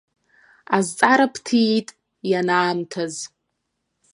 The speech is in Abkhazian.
Азҵаара бҭиит ианаамҭаз!